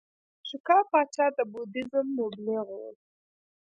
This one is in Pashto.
اشوکا پاچا د بودیزم مبلغ و